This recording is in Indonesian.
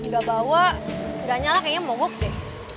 gak bawa gak nyala kayaknya mau gok deh